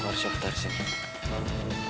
kau sudah tersenyum